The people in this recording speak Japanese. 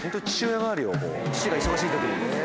父が忙しい時。